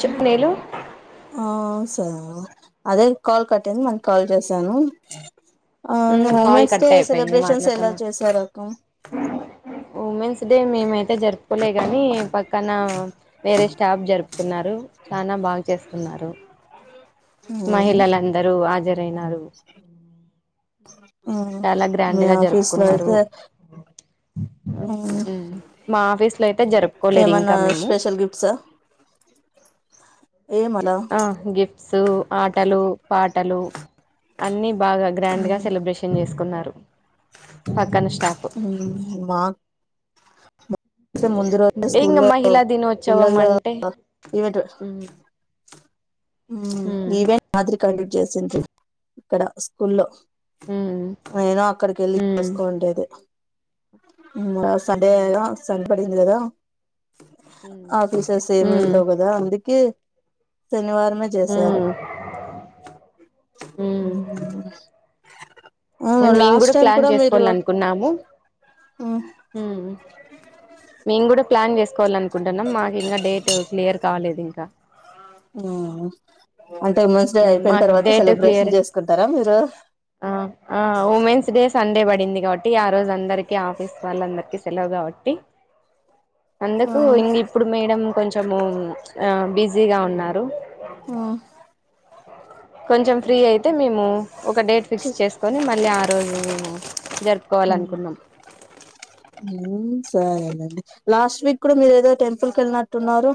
చెప్పు నేలు ఆ అదే కాల్ కట్ అయింది మళ్ళీ కాల్ చేశాను అవును కాల్ ఉమెన్స్ కట్ డే అయిపోయింది సెలబ్రేషన్స్ ఎలా మాట్లాడతామా చేసారు అక్క ఉమెన్స్ డే మేమయితే జరుపుకోలే గాని పక్కన వేరే స్టాఫ్ జరుపుకున్నారు చానా బాగు చేసుకున్నారు. మ్మ్. మహిళలందరూ ఆజర్ అయినారు మ్మ్. చాలా మీ గ్రాండ్ గా ఆఫీస్ లో జరుపుకున్నారు అయితే మ్మ్, మ్ మా ఆఫీస్ లో అయితే జరుపుకోలేదు ఇంకా ఏమన్నా మేము స్పెషల్ గిఫ్ట్స్ ఆ, ఎమ్ ఆ గిఫ్ట్స్ ఆటల్ లు పాటలు అన్ని బాగా గ్రాండ్ గా మ్మ్. సెలబ్రేషన్ చేసుకున్నారు పక్కనా ఉమ్మ్ మా ముందు రోజే అంటే ఇంగ స్కూల్లో మహిళా దినోత్సవం పిల్లలు అంటే ఈవెంట్ ఉమ్ మ్ ఉమ్ ఈవెంట్ మాదిరి కండక్ట్ చేస్ చిన్ చిన్' అక్కడ స్కూల్లో ఉమ్ నేను అక్కడికి వెళ్ళి ఉమ్ చేసుకోండి దే యూ సండే ఉమ్ గా [unintelligible] నిధి ఏదో ఉమ్ ఆఫీసర్స్ ఉమ్ ఏమైందో కదా అందుకే శనివారం మ చేశారు ఉమ్ యూ మే మేము కూడా ప్లాన్ మీరు చేసుకోవాలి అనుకున నాము హు మీను కూడా ప్లాన్ చేసుకోవాలన్ కుంటున్నాం మాకు ఇంకా డేట్ క్లియర్ కాలేదు ఇంకా హుహు అంటే ఉమెన్స్ డే ఉమ్ అయిపోయిన మాకు తర్వాత డేట్ క్లియర్ సెలబ్రేషన్ చేసుకుంటారా మీరు ఆ ఆ ఉమెన్స్ డే సండే పడింది కాబట్టి ఆ రోజు అందరికీ ఆఫీస్ వాళ్ళందరికి సెలవు కాబట్టి అందుకు ఇంకిప్పుడు మేడం కొంచము ఆ బిజీగా ఉన్నారు కొంచెం ఫ్రీ అయితే మేము ఒక డేట్ ఫిక్స్ చేసుకొని మళ్ళీ ఆ రోజు మేము జరుపుకోవాలనుకున్నాం యూ సరేనండి లాస్ట్ వీక్ కూడా మీరు ఏదో టెంపుల్ కెళ్ళినట్టున్నారు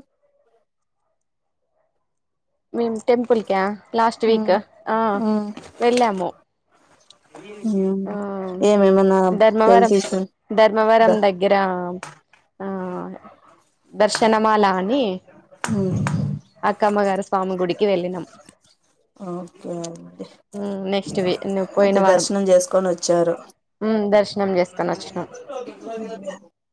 మేము టెంపుల్ కా లాస్ట్ వీక్ ఆ వెళ్ళాము మ్ ఆ ఏమి ఏమన్నా ధర్మవరం హెల్త్ ఇష్యూ ధర్మవరం దా దగ్గర ఆ దర్శనమాల అని అక్కమ్మగారు స్వామి గుడికి వెళ్ళినాం ఓకే అండి యూ నెక్స్ట్ వి నువ్వు పోయిన వారం ని వచ్చారు నం చేసుకనొచ్చు ఓకే అది అది